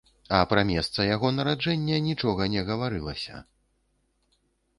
А пра месца яго нараджэння нічога не гаварылася.